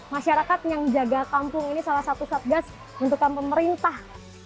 masyarakat yang jaga kampung ini salah satu satgas bentukan pemerintah